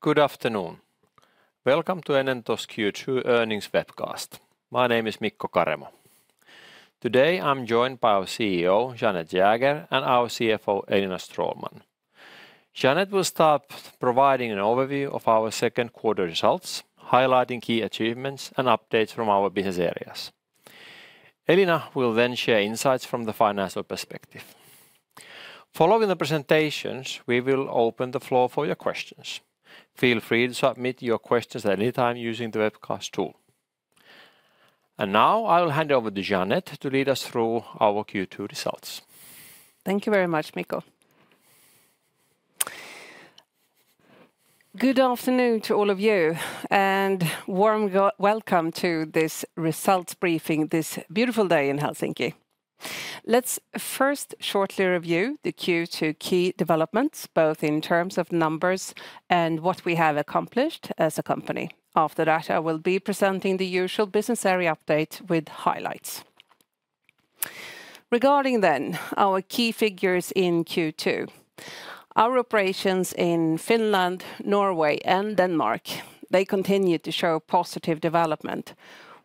Good afternoon. Welcome to Enento Q2 earnings webcast. My name is Mikko Karemo. Today, I'm joined by our CEO, Jeanette Jäger, and our CFO, Elina Stråhlman. Jeanette will start providing an overview of our second quarter results, highlighting key achievements and updates from our business areas. Elina will then share insights from the financial perspective. Following the presentations, we will open the floor for your questions. Feel free to submit your questions at any time using the webcast tool. And now, I will hand over to Jeanette to lead us through our Q2 results. Thank you very much, Mikko. Good afternoon to all of you, and warm welcome to this results briefing this beautiful day in Helsinki. Let's first shortly review the Q2 key developments, both in terms of numbers and what we have accomplished as a company. After that, I will be presenting the usual business area update with highlights. Regarding then our key figures in Q2, our operations in Finland, Norway, and Denmark, they continued to show positive development,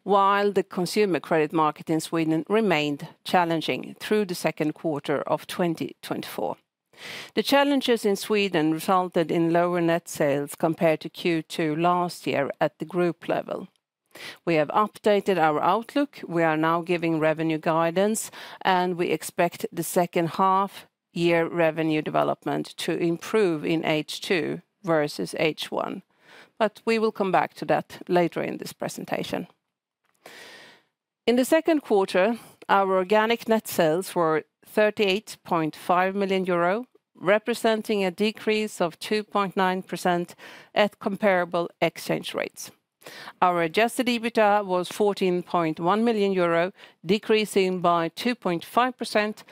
while the consumer credit market in Sweden remained challenging through the second quarter of 2024. The challenges in Sweden resulted in lower net sales compared to Q2 last year at the group level. We have updated our outlook. We are now giving revenue guidance, and we expect the second half-year revenue development to improve in H2 versus H1, but we will come back to that later in this presentation. In the second quarter, our organic net sales were 38.5 million euro, representing a decrease of 2.9% at comparable exchange rates. Our Adjusted EBITDA was 14.1 million euro, decreasing by 2.5%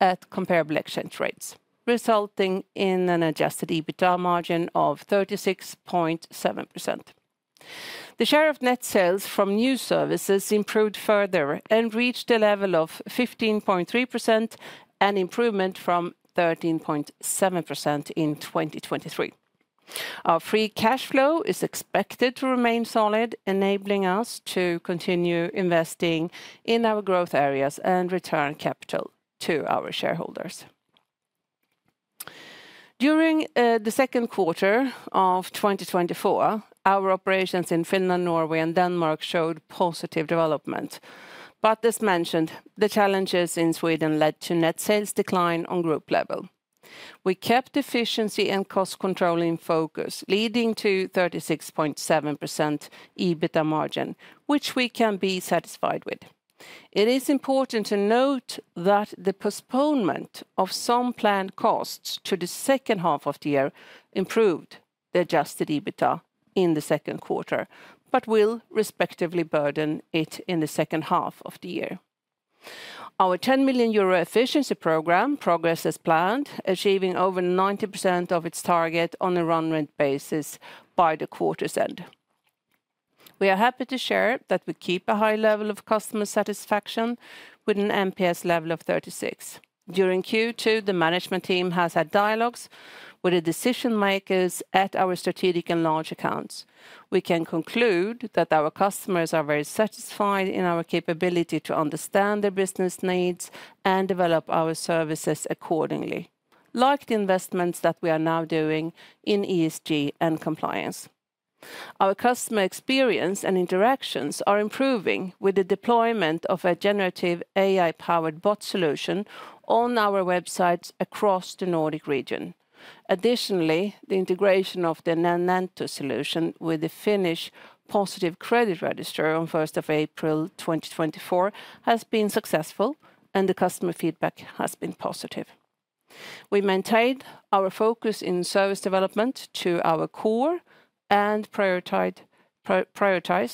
at comparable exchange rates, resulting in an Adjusted EBITDA margin of 36.7%. The share of net sales from new services improved further and reached a level of 15.3%, an improvement from 13.7% in 2023. Our free cash flow is expected to remain solid, enabling us to continue investing in our growth areas and return capital to our shareholders. During the second quarter of 2024, our operations in Finland, Norway, and Denmark showed positive development, but as mentioned, the challenges in Sweden led to net sales decline on group level We kept efficiency and cost control in focus, leading to 36.7% EBITDA margin, which we can be satisfied with. It is important to note that the postponement of some planned costs to the second half of the year improved the adjusted EBITDA in the second quarter, but will respectively burden it in the second half of the year. Our 10 million euro efficiency program progress as planned, achieving over 90% of its target on a run rate basis by the quarter's end. We are happy to share that we keep a high level of customer satisfaction with an NPS level of 36. During Q2, the management team has had dialogues with the decision-makers at our strategic and large accounts. We can conclude that our customers are very satisfied in our capability to understand their business needs and develop our services accordingly, like the investments that we are now doing in ESG and compliance. Our customer experience and interactions are improving with the deployment of a generative AI-powered bot solution on our websites across the Nordic region. Additionally, the integration of the Enento solution with the Finnish Positive Credit Register on 1st of April 2024 has been successful, and the customer feedback has been positive. We maintained our focus in service development to our core and prioritized,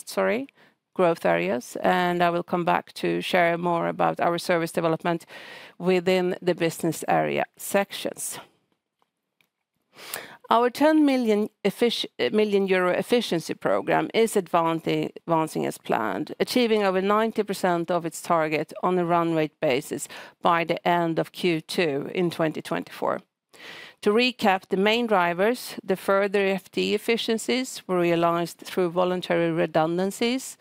sorry, growth areas, and I will come back to share more about our service development within the business area sections. Our 10 million euro efficiency program is advancing as planned, achieving over 90% of its target on a run rate basis by the end of Q2 in 2024. To recap, the main drivers, the further IT efficiencies were realized through voluntary redundancies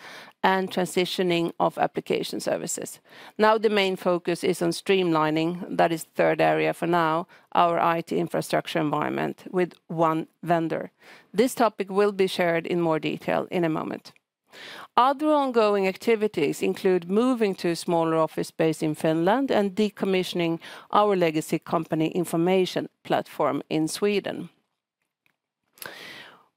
and transitioning of application services. Now, the main focus is on streamlining, that is third area for now, our IT infrastructure environment with one vendor. This topic will be shared in more detail in a moment. Other ongoing activities include moving to a smaller office space in Finland and decommissioning our legacy company information platform in Sweden.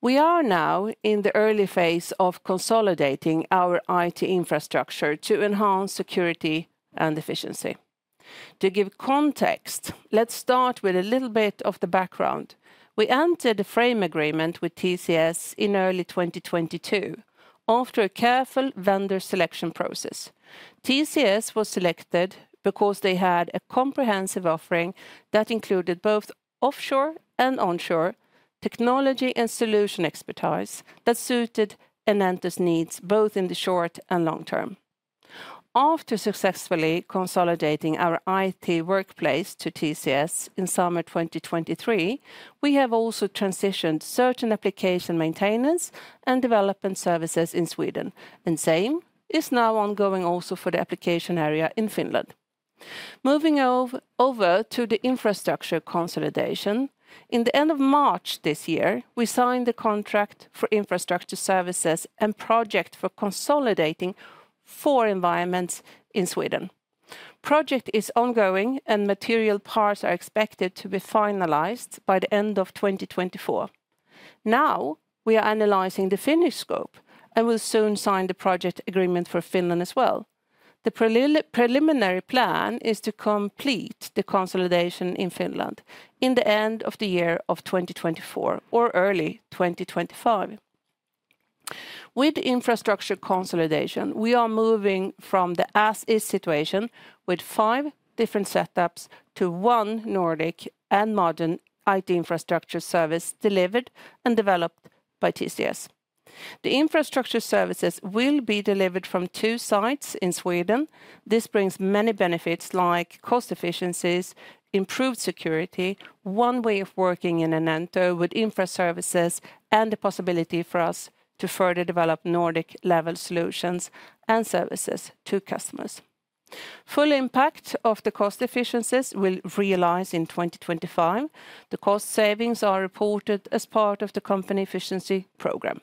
We are now in the early phase of consolidating our IT infrastructure to enhance security and efficiency. To give context, let's start with a little bit of the background. We entered a frame agreement with TCS in early 2022 after a careful vendor selection process. TCS was selected because they had a comprehensive offering that included both offshore and onshore technology and solution expertise that suited Enento's needs, both in the short and long term.... After successfully consolidating our IT workplace to TCS in summer 2023, we have also transitioned certain application maintenance and development services in Sweden, and same is now ongoing also for the application area in Finland. Moving over to the infrastructure consolidation, in the end of March this year, we signed the contract for infrastructure services and project for consolidating 4 environments in Sweden. Project is ongoing, and material parts are expected to be finalized by the end of 2024. Now, we are analyzing the Finnish scope and will soon sign the project agreement for Finland as well. The preliminary plan is to complete the consolidation in Finland in the end of the year of 2024 or early 2025. With infrastructure consolidation, we are moving from the as-is situation with 5 different setups to one Nordic and modern IT infrastructure service delivered and developed by TCS. The infrastructure services will be delivered from two sites in Sweden. This brings many benefits, like cost efficiencies, improved security, one way of working in Enento with infra services, and the possibility for us to further develop Nordic-level solutions and services to customers. Full impact of the cost efficiencies will realize in 2025. The cost savings are reported as part of the company efficiency program.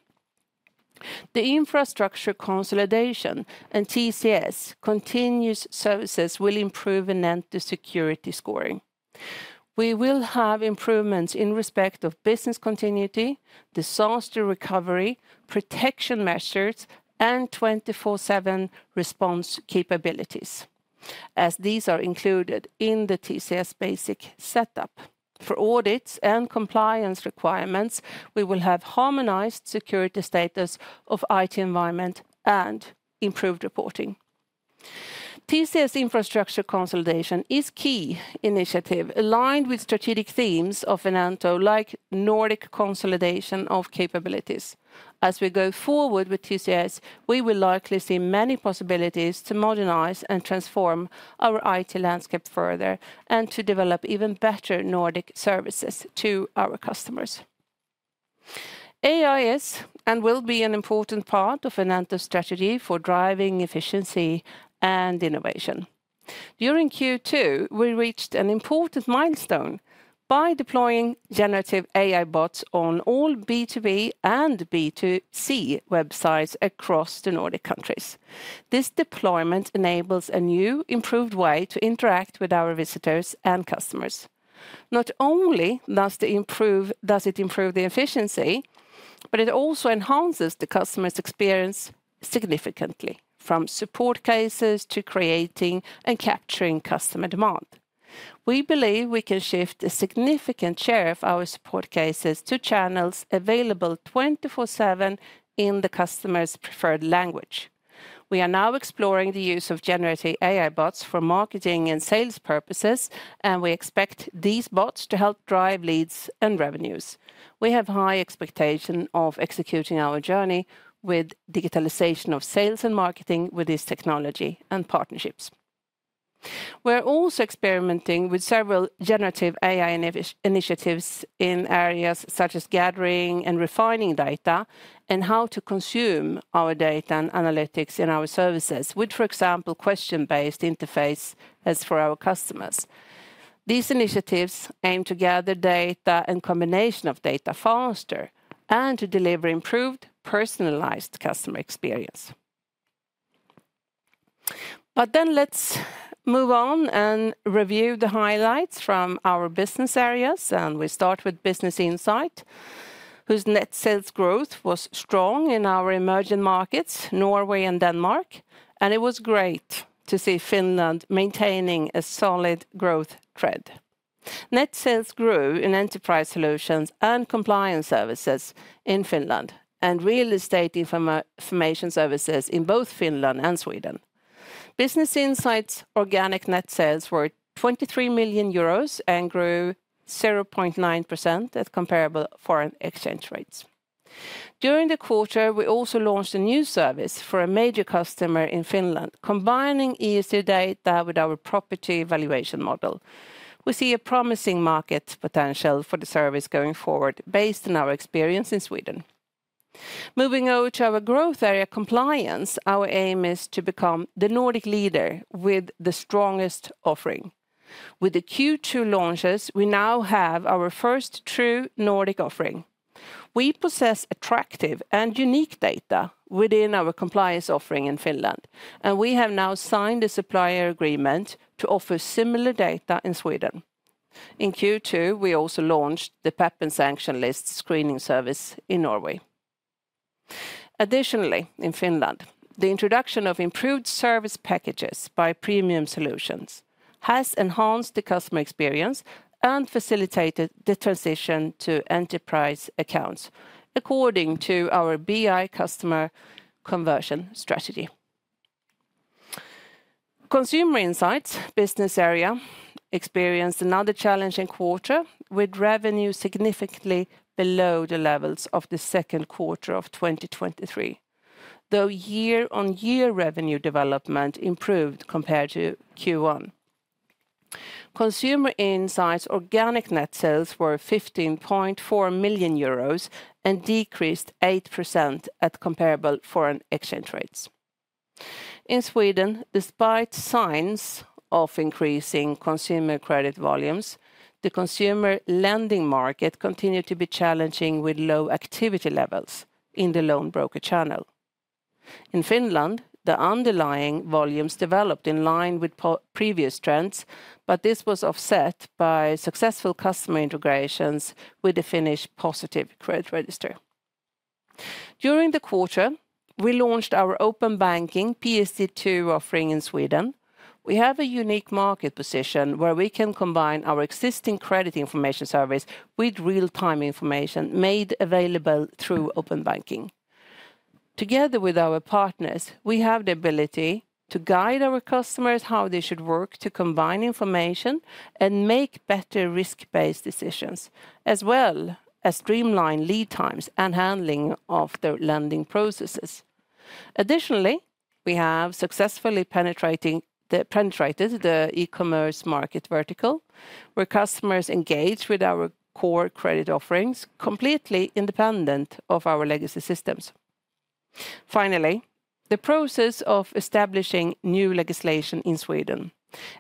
The infrastructure consolidation and TCS continuous services will improve Enento security scoring. We will have improvements in respect of business continuity, disaster recovery, protection measures, and 24/7 response capabilities, as these are included in the TCS basic setup. For audits and compliance requirements, we will have harmonized security status of IT environment and improved reporting. TCS infrastructure consolidation is key initiative, aligned with strategic themes of Enento, like Nordic consolidation of capabilities. As we go forward with TCS, we will likely see many possibilities to modernize and transform our IT landscape further, and to develop even better Nordic services to our customers. AI is, and will be, an important part of Enento's strategy for driving efficiency and innovation. During Q2, we reached an important milestone by deploying generative AI bots on all B2B and B2C websites across the Nordic countries. This deployment enables a new, improved way to interact with our visitors and customers. Not only does it improve the efficiency, but it also enhances the customer's experience significantly, from support cases to creating and capturing customer demand. We believe we can shift a significant share of our support cases to channels available 24/7 in the customer's preferred language. We are now exploring the use of generative AI bots for marketing and sales purposes, and we expect these bots to help drive leads and revenues. We have high expectation of executing our journey with digitalization of sales and marketing with this technology and partnerships. We're also experimenting with several generative AI initiatives in areas such as gathering and refining data, and how to consume our data and analytics in our services, with, for example, question-based interface as for our customers. These initiatives aim to gather data and combination of data faster, and to deliver improved, personalized customer experience. But then, let's move on and review the highlights from our business areas, and we start with Business Insight, whose net sales growth was strong in our emerging markets, Norway and Denmark, and it was great to see Finland maintaining a solid growth trend. Net sales grew in enterprise solutions and compliance services in Finland, and real estate information services in both Finland and Sweden. Business Insight's organic net sales were 23 million euros and grew 0.9% at comparable foreign exchange rates. During the quarter, we also launched a new service for a major customer in Finland, combining ESG data with our property valuation model. We see a promising market potential for the service going forward, based on our experience in Sweden. Moving over to our growth area, compliance, our aim is to become the Nordic leader with the strongest offering. With the Q2 launches, we now have our first true Nordic offering. We possess attractive and unique data within our compliance offering in Finland, and we have now signed a supplier agreement to offer similar data in Sweden. In Q2, we also launched the PEP and sanction list screening service in Norway. Additionally, in Finland, the introduction of improved service packages by Premium Solutions has enhanced the customer experience and facilitated the transition to enterprise accounts, according to our BI customer conversion strategy. Consumer Insight business area experienced another challenging quarter with revenue significantly below the levels of the second quarter of 2023, though year-on-year revenue development improved compared to Q1. Consumer Insight organic net sales were 15.4 million euros and decreased 8% at comparable foreign exchange rates. In Sweden, despite signs of increasing consumer credit volumes, the consumer lending market continued to be challenging, with low activity levels in the loan broker channel. In Finland, the underlying volumes developed in line with previous trends, but this was offset by successful customer integrations with the Finnish Positive Credit Register. During the quarter, we launched our open banking PSD2 offering in Sweden. We have a unique market position where we can combine our existing credit information service with real-time information made available through open banking. Together with our partners, we have the ability to guide our customers how they should work to combine information and make better risk-based decisions, as well as streamline lead times and handling of the lending processes. Additionally, we have successfully penetrated the e-commerce market vertical, where customers engage with our core credit offerings, completely independent of our legacy systems. Finally, the process of establishing new legislation in Sweden,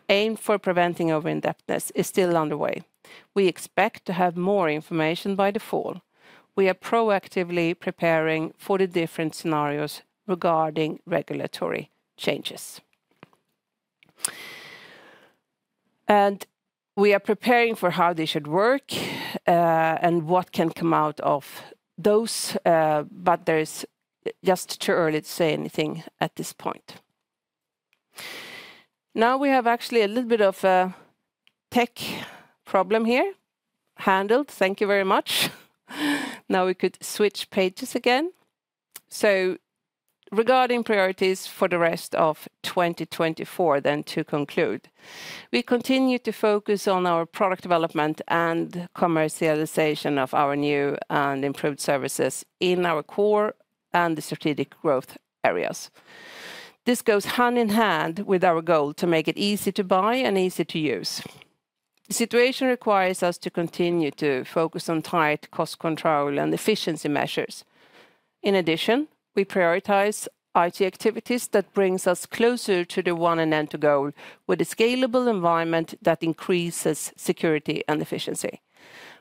aimed for preventing over-indebtedness, is still underway. We expect to have more information by the fall. We are proactively preparing for the different scenarios regarding regulatory changes. We are preparing for how they should work, and what can come out of those, but it is just too early to say anything at this point. Now we have actually a little bit of a tech problem here. Handled. Thank you very much. Now we could switch pages again. So regarding priorities for the rest of 2024, then to conclude, we continue to focus on our product development and commercialization of our new and improved services in our core and the strategic growth areas. This goes hand in hand with our goal to make it easy to buy and easy to use. The situation requires us to continue to focus on tight cost control and efficiency measures. In addition, we prioritize IT activities that brings us closer to the one end-to-end goal with a scalable environment that increases security and efficiency.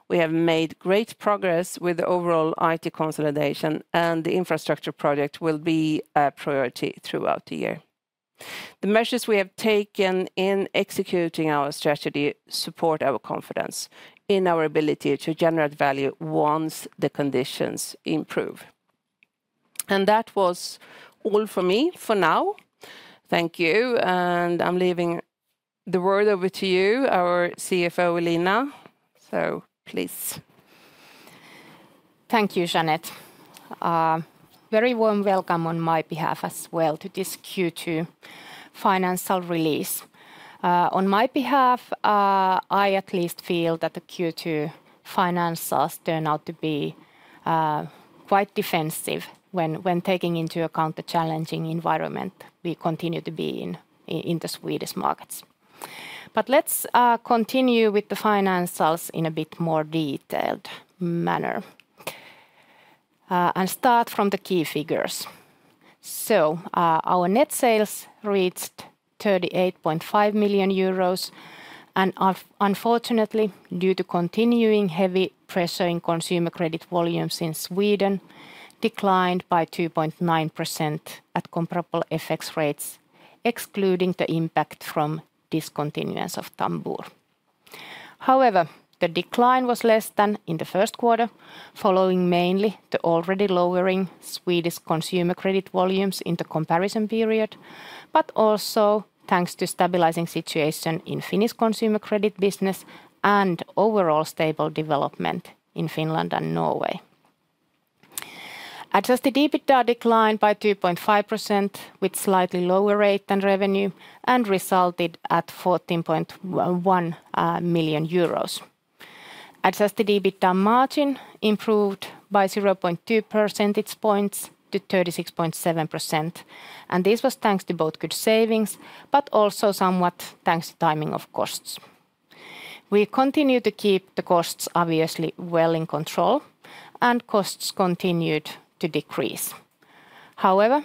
We have made great progress with the overall IT consolidation, and the infrastructure project will be a priority throughout the year. The measures we have taken in executing our strategy support our confidence in our ability to generate value once the conditions improve. That was all for me for now. Thank you, and I'm leaving the word over to you, our CFO, Elina. Please. Thank you, Jeanette. Very warm welcome on my behalf as well to this Q2 financial release. On my behalf, I at least feel that the Q2 financials turn out to be quite defensive when taking into account the challenging environment we continue to be in, in the Swedish markets. But let's continue with the financials in a bit more detailed manner, and start from the key figures. So, our net sales reached 38.5 million euros and unfortunately, due to continuing heavy pressure in consumer credit volumes in Sweden, declined by 2.9% at comparable FX rates, excluding the impact from discontinuance of Tambur. However, the decline was less than in the first quarter, following mainly the already lowering Swedish consumer credit volumes in the comparison period, but also thanks to stabilizing situation in Finnish consumer credit business and overall stable development in Finland and Norway. Adjusted EBITDA declined by 2.5%, with slightly lower rate than revenue, and resulted at 14.1 million euros. Adjusted EBITDA margin improved by 0.2 percentage points to 36.7%, and this was thanks to both good savings, but also somewhat thanks to timing of costs. We continue to keep the costs obviously well in control, and costs continued to decrease. However,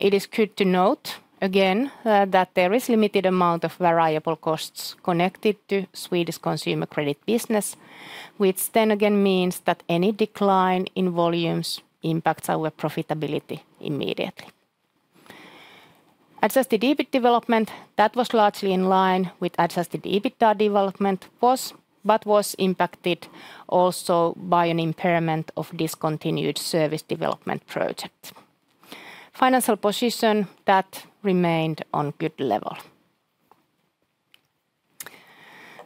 it is good to note, again, that there is limited amount of variable costs connected to Swedish consumer credit business, which then again means that any decline in volumes impacts our profitability immediately. Adjusted EBIT development, that was largely in line with adjusted EBITDA development, but was impacted also by an impairment of discontinued service development project. Financial position, that remained on good level.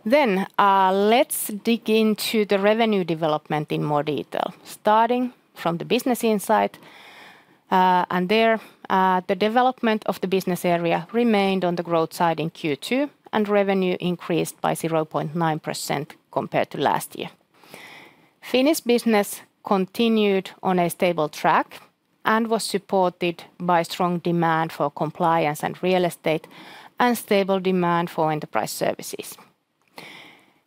Then, let's dig into the revenue development in more detail, starting from the Business Insight. And there, the development of the business area remained on the growth side in Q2, and revenue increased by 0.9% compared to last year. Finnish business continued on a stable track and was supported by strong demand for compliance and real estate, and stable demand for enterprise services.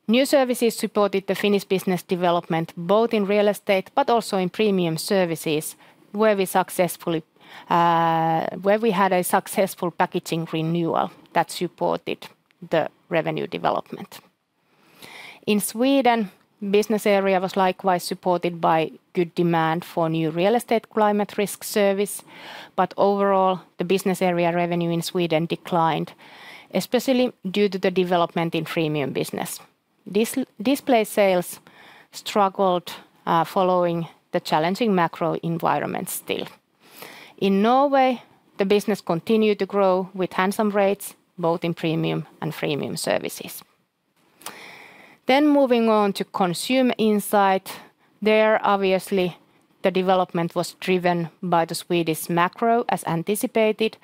New services supported the Finnish business development, both in real estate but also in premium services, where we had a successful packaging renewal that supported the revenue development. In Sweden, business area was likewise supported by good demand for new real estate climate risk service. But overall, the business area revenue in Sweden declined, especially due to the development in freemium business. Display sales struggled, following the challenging macro environment still. In Norway, the business continued to grow with handsome rates, both in premium and freemium services. Then moving on to Consumer Insight. There, obviously, the development was driven by the Swedish macro, as anticipated,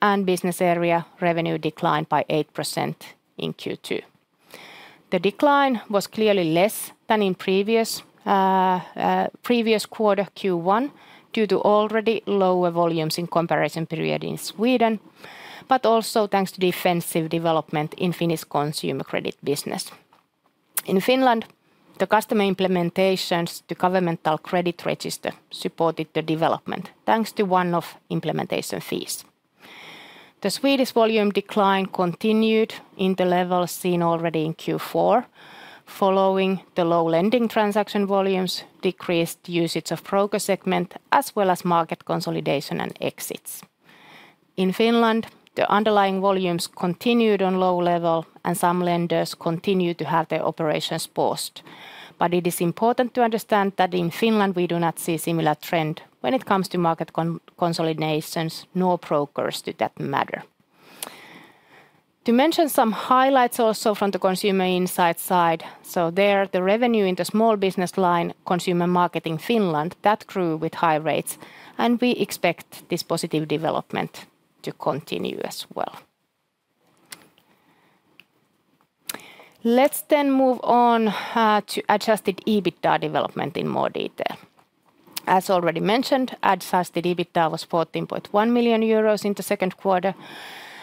and business area revenue declined by 8% in Q2. The decline was clearly less than in previous quarter, Q1, due to already lower volumes in comparison period in Sweden, but also thanks to defensive development in Finnish consumer credit business. In Finland, the customer implementations to governmental credit register supported the development, thanks to one-off implementation fees. The Swedish volume decline continued in the levels seen already in Q4, following the low lending transaction volumes, decreased usage of broker segment, as well as market consolidation and exits. In Finland, the underlying volumes continued on low level, and some lenders continued to have their operations paused. But it is important to understand that in Finland, we do not see similar trend when it comes to market consolidations, nor brokers, for that matter. To mention some highlights also from the Consumer Insight side, so there, the revenue in the small business line, consumer market in Finland, that grew with high rates, and we expect this positive development to continue as well. Let's then move on to Adjusted EBITDA development in more detail. As already mentioned, Adjusted EBITDA was 14.1 million euros in the second quarter,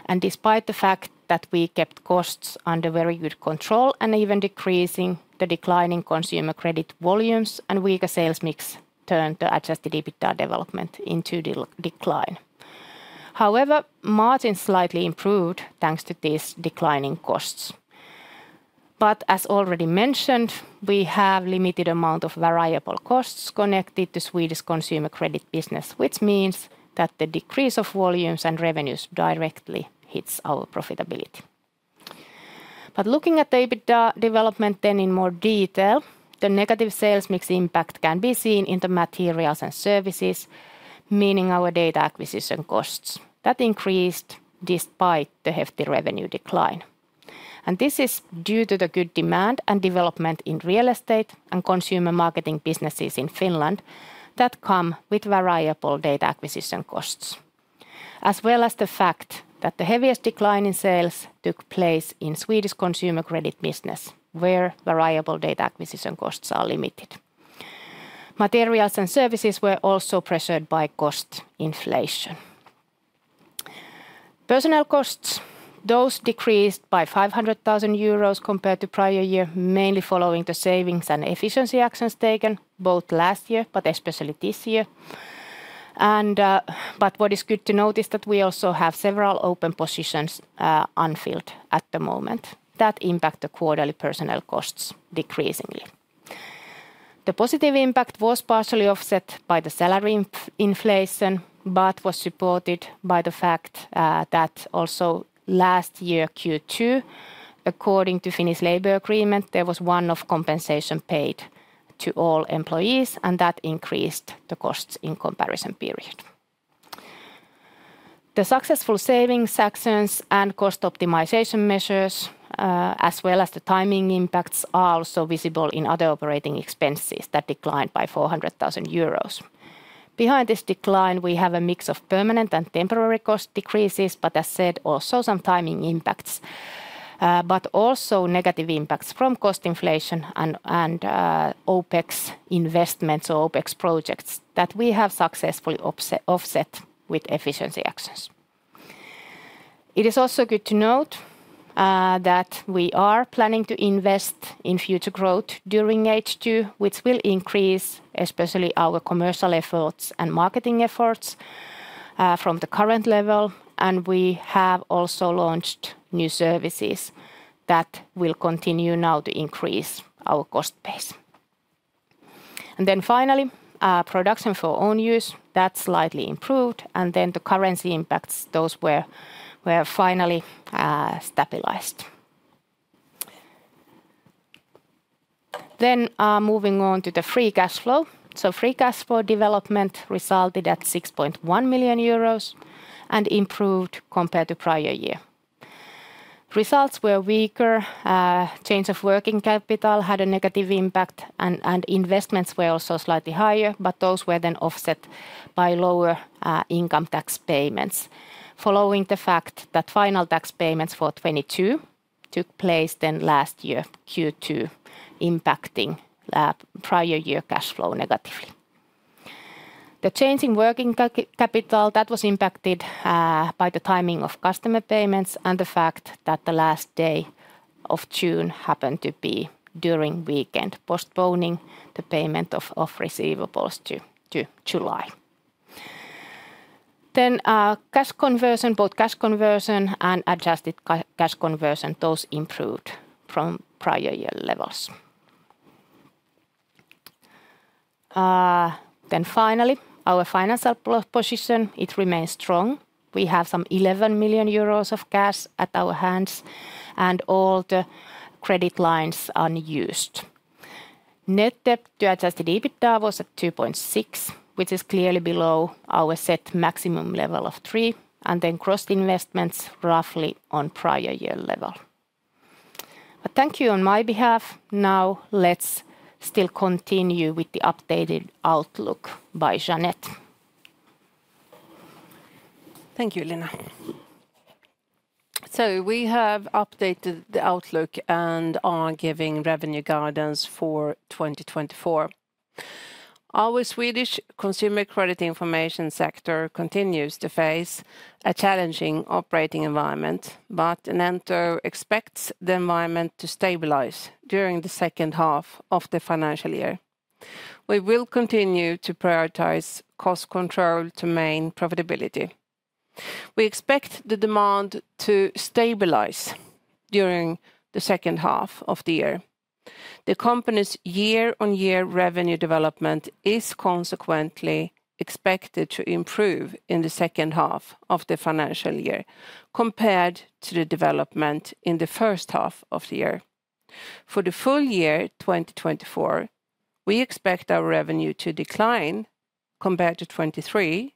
and despite the fact that we kept costs under very good control and even decreasing the decline in consumer credit volumes and weaker sales mix turned the Adjusted EBITDA development into decline. However, margin slightly improved, thanks to these declining costs. But as already mentioned, we have limited amount of variable costs connected to Swedish consumer credit business, which means that the decrease of volumes and revenues directly hits our profitability. But looking at the EBITDA development then in more detail, the negative sales mix impact can be seen in the materials and services, meaning our data acquisition costs. That increased despite the hefty revenue decline, and this is due to the good demand and development in real estate and consumer marketing businesses in Finland that come with variable data acquisition costs, as well as the fact that the heaviest decline in sales took place in Swedish consumer credit business, where variable data acquisition costs are limited. Materials and services were also pressured by cost inflation. Personnel costs, those decreased by 500,000 euros compared to prior year, mainly following the savings and efficiency actions taken both last year, but especially this year. And, but what is good to note is that we also have several open positions, unfilled at the moment. That impact the quarterly personnel costs decreasingly. The positive impact was partially offset by the salary inflation, but was supported by the fact that also last year, Q2, according to Finnish labor agreement, there was one-off compensation paid to all employees, and that increased the costs in comparison period. The successful savings actions and cost optimization measures, as well as the timing impacts, are also visible in other operating expenses that declined by 400,000 euros. Behind this decline, we have a mix of permanent and temporary cost decreases, but as said, also some timing impacts, but also negative impacts from cost inflation and OpEx investments or OpEx projects that we have successfully offset with efficiency actions. It is also good to note that we are planning to invest in future growth during H2, which will increase especially our commercial efforts and marketing efforts from the current level, and we have also launched new services that will continue now to increase our cost base. Then finally, production for own use that slightly improved, and then the currency impacts, those were finally stabilized. Then, moving on to the free cash flow. Free cash flow development resulted at 6.1 million euros and improved compared to prior year. Results were weaker, change of working capital had a negative impact, and investments were also slightly higher, but those were then offset by lower income tax payments. Following the fact that final tax payments for 2022 took place then last year, Q2, impacting prior year cash flow negatively. The change in working capital, that was impacted by the timing of customer payments and the fact that the last day of June happened to be during weekend, postponing the payment of receivables to July. Then, cash conversion, both cash conversion and adjusted cash conversion, those improved from prior year levels. Then finally, our financial position, it remains strong. We have some 11 million euros of cash at our hands, and all the credit lines are unused. Net debt to Adjusted EBITDA was at 2.6, which is clearly below our set maximum level of 3, and then gross investments roughly on prior year level. But thank you on my behalf. Now let's still continue with the updated outlook by Jeanette. Thank you, Elina. So we have updated the outlook and are giving revenue guidance for 2024. Our Swedish consumer credit information sector continues to face a challenging operating environment, but Enento expects the environment to stabilize during the second half of the financial year. We will continue to prioritize cost control to maintain profitability. We expect the demand to stabilize during the second half of the year. The company's year-on-year revenue development is consequently expected to improve in the second half of the financial year, compared to the development in the first half of the year. For the full year 2024, we expect our revenue to decline compared to 2023,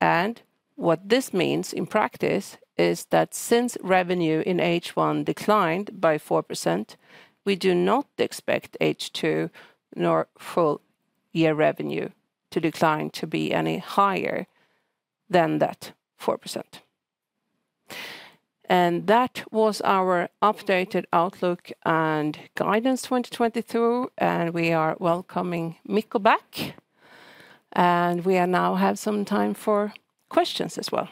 and what this means in practice is that since revenue in H1 declined by 4%, we do not expect H2 nor full year revenue to decline to be any higher than that 4%. That was our updated outlook and guidance for 2022, and we are welcoming Mikko back, and we now have some time for questions as well.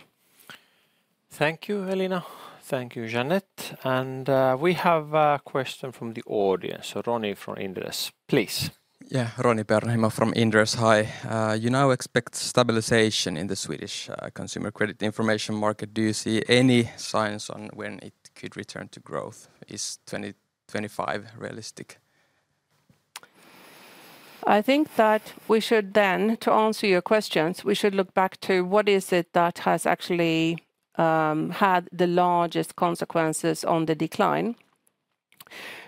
Thank you, Elina. Thank you, Jeanette. And, we have a question from the audience. So Roni from Inderes, please. Yeah, Roni Peuranheimo from Inderes. Hi. You now expect stabilization in the Swedish consumer credit information market. Do you see any signs on when it could return to growth? Is 2025 realistic? I think that we should then, to answer your questions, we should look back to what is it that has actually had the largest consequences on the decline.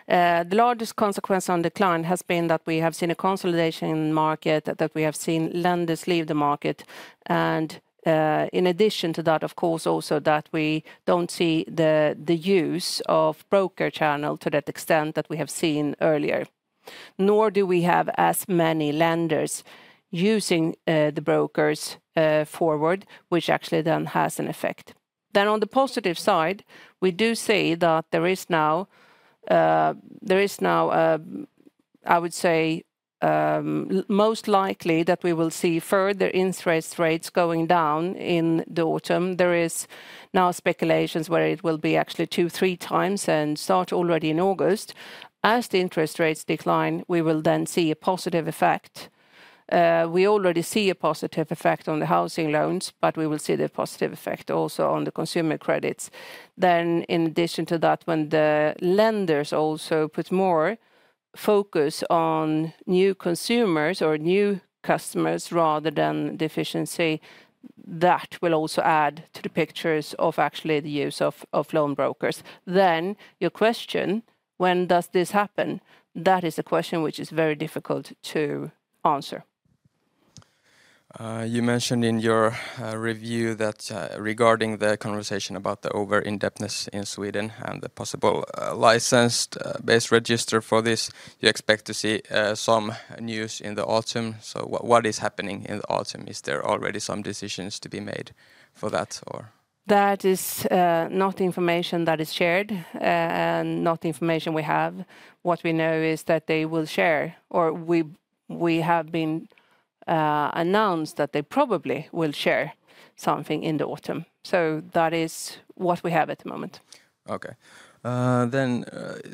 The largest consequence on decline has been that we have seen a consolidation in the market, that we have seen lenders leave the market, and in addition to that, of course, also that we don't see the use of broker channel to that extent that we have seen earlier. Nor do we have as many lenders using the brokers forward, which actually then has an effect. Then on the positive side, we do see that there is now I would say most likely that we will see further interest rates going down in the autumn. There is now speculation where it will be actually two, three times, and start already in August. As the interest rates decline, we will then see a positive effect. We already see a positive effect on the housing loans, but we will see the positive effect also on the consumer credits. Then in addition to that, when the lenders also put more focus on new consumers or new customers, rather than deficiency, that will also add to the picture of actually the use of loan brokers. Then your question, when does this happen? That is a question which is very difficult to answer. You mentioned in your review that, regarding the conversation about the over-indebtedness in Sweden and the possible license-based register for this, you expect to see some news in the autumn. So what is happening in the autumn? Is there already some decisions to be made for that, or...? That is, not information that is shared, and not information we have. What we know is that they will share, or we, we have been, announced that they probably will share something in the autumn. So that is what we have at the moment. Okay. Then,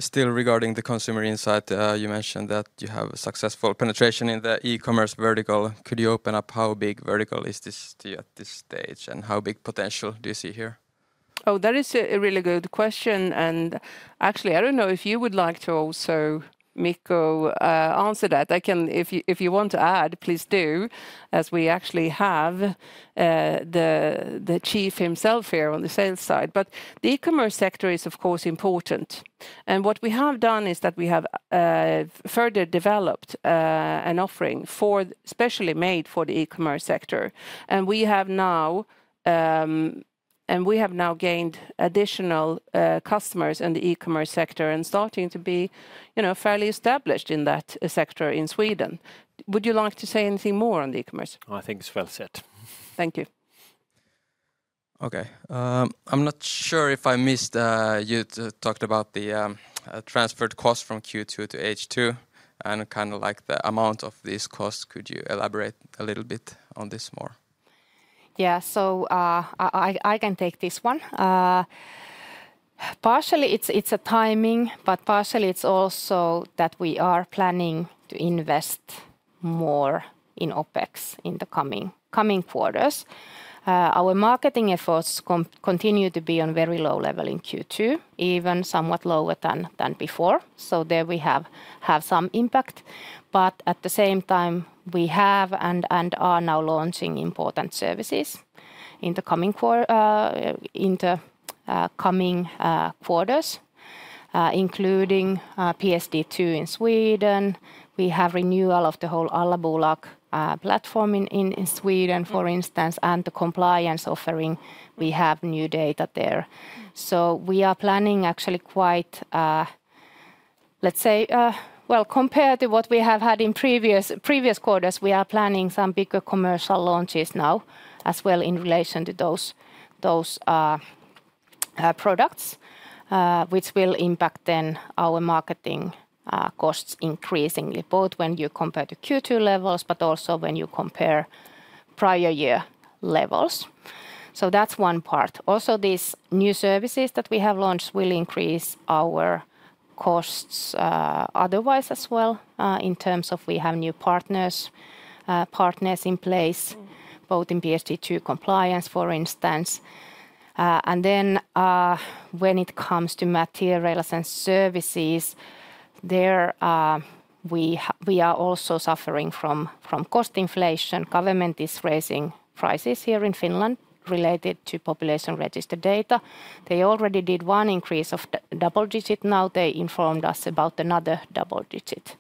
still regarding the Consumer Insight, you mentioned that you have successful penetration in the e-commerce vertical. Could you open up how big vertical is this at this stage, and how big potential do you see here?... Oh, that is a really good question, and actually, I don't know if you would like to also, Mikko, answer that. I can... If you want to add, please do, as we actually have the chief himself here on the sales side. But the e-commerce sector is, of course, important, and what we have done is that we have further developed an offering specially made for the e-commerce sector. And we have now gained additional customers in the e-commerce sector, and starting to be, you know, fairly established in that sector in Sweden. Would you like to say anything more on the e-commerce? I think it's well said. Thank you. Okay. I'm not sure if I missed, you talked about the transferred cost from Q2 to H2, and kind of, like, the amount of this cost. Could you elaborate a little bit on this more? Yeah, so, I can take this one. Partially it's a timing, but partially it's also that we are planning to invest more in OpEx in the coming quarters. Our marketing efforts continue to be on very low level in Q2, even somewhat lower than before, so there we have some impact. But at the same time, we have and are now launching important services in the coming quarters, including PSD2 in Sweden. We have renewal of the whole Allabolag platform in Sweden, for instance, and the compliance offering, we have new data there. So we are planning actually quite... Let's say, well, compared to what we have had in previous quarters, we are planning some bigger commercial launches now, as well, in relation to those products, which will impact then our marketing costs increasingly, both when you compare to Q2 levels but also when you compare prior year levels. So that's one part. Also, these new services that we have launched will increase our costs, otherwise as well, in terms of we have new partners, partners in place, both in PSD2 compliance, for instance. And then, when it comes to materials and services, there, we are also suffering from cost inflation. Government is raising prices here in Finland related to population register data. They already did one increase of double-digit. Now they informed us about another double digit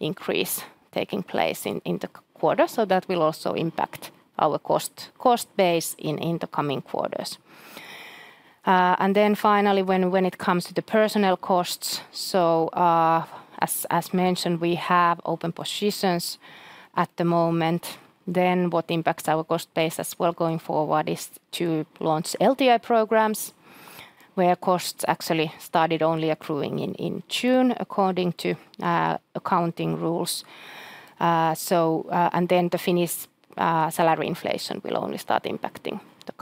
increase taking place in the quarter, so that will also impact our cost base in the coming quarters. And then finally, when it comes to the personnel costs, so, as mentioned, we have open positions at the moment. Then what impacts our cost base as well going forward is to launch LTI programs, where costs actually started only accruing in June, according to accounting rules. So, and then the Finnish salary inflation will only start impacting the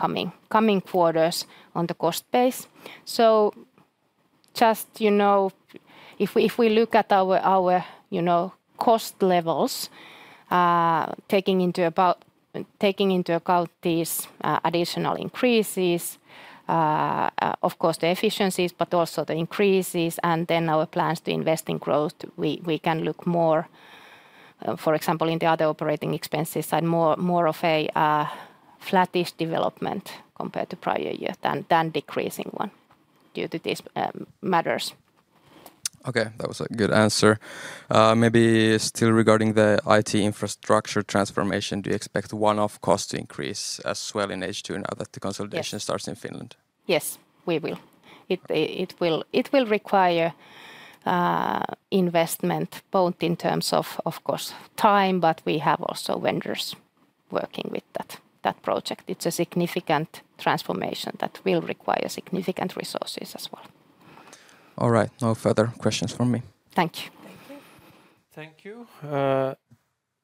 coming quarters on the cost base. So just, you know, if we look at our cost levels, taking into account these additional increases, of course, the efficiencies, but also the increases, and then our plans to invest in growth, we can look more, for example, in the other operating expenses, and more of a flattish development compared to prior year than decreasing one due to these matters. Okay, that was a good answer. Maybe still regarding the IT infrastructure transformation, do you expect one-off cost increase as well in H2 now that the consolidation starts in Finland? Yes, we will. It will require investment both in terms of, of course, time, but we have also vendors working with that project. It's a significant transformation that will require significant resources as well. All right, no further questions from me. Thank you. Thank you. Thank you.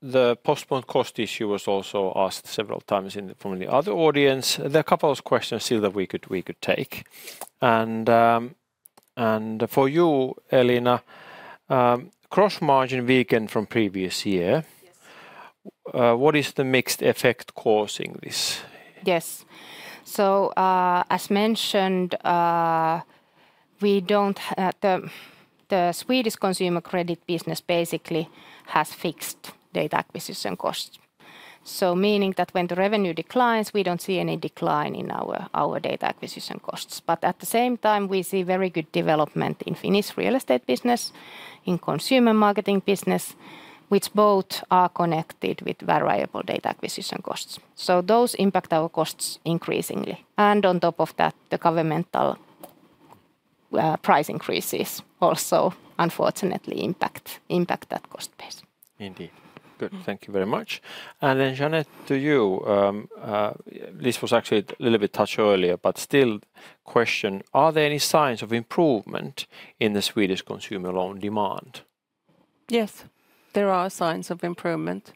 The postponed cost issue was also asked several times in from the other audience. There are a couple of questions here that we could take. For you, Elina, gross margin weakened from previous year. What is the mixed effect causing this? Yes. So, as mentioned, we don't... The Swedish consumer credit business basically has fixed data acquisition costs, so meaning that when the revenue declines, we don't see any decline in our data acquisition costs. But at the same time, we see very good development in Finnish real estate business, in consumer marketing business, which both are connected with variable data acquisition costs. So those impact our costs increasingly, and on top of that, the governmental price increases also unfortunately impact that cost base. Indeed. Good. Thank you very much. And then, Jeanette, to you, this was actually a little bit touched earlier, but still question: Are there any signs of improvement in the Swedish consumer loan demand? Yes, there are signs of improvement.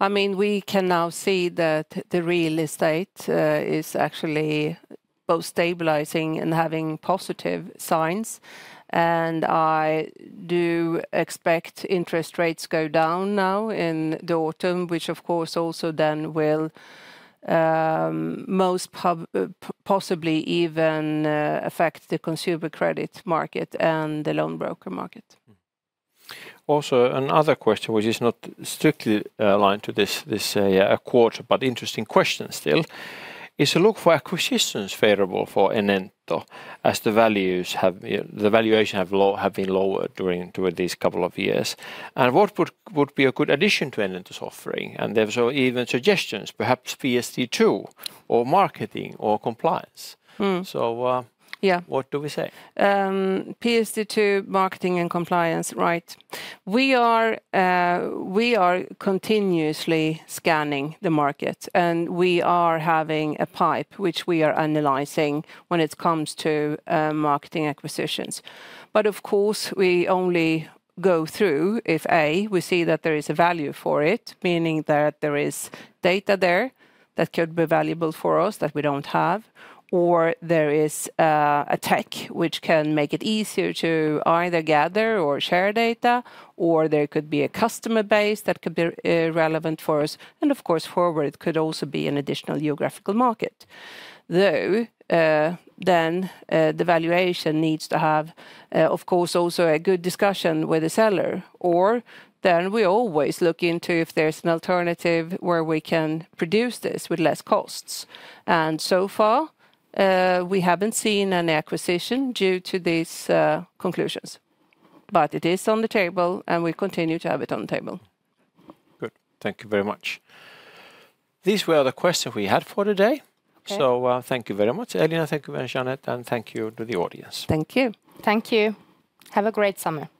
I mean, we can now see that the real estate is actually both stabilizing and having positive signs, and I do expect interest rates go down now in the autumn, which of course also then will possibly even affect the consumer credit market and the loan broker market. Also, another question which is not strictly aligned to this quarter, but interesting question still, is: Look for acquisitions favorable for Enento as the values have, you know, the valuation have been lower during these couple of years? And what would be a good addition to Enento's offering? And there's so even suggestions, perhaps PSD2, or marketing, or compliance. So, what do we say? PSD2, marketing, and compliance, right? We are, we are continuously scanning the market, and we are having a pipe, which we are analyzing when it comes to marketing acquisitions. But of course, we only go through if, A, we see that there is a value for it, meaning that there is data there that could be valuable for us that we don't have, or there is a tech which can make it easier to either gather or share data, or there could be a customer base that could be relevant for us. And of course, forward could also be an additional geographical market. Though, then, the valuation needs to have, of course, also a good discussion with the seller, or then we always look into if there's an alternative where we can produce this with less costs. So far, we haven't seen an acquisition due to these conclusions. It is on the table, and we continue to have it on the table. Good. Thank you very much. These were the questions we had for today. Okay. Thank you very much, Elina. Thank you very much, Jeanette, and thank you to the audience. Thank you. Thank you. Have a great summer!